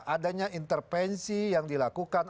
adanya intervensi yang dilakukan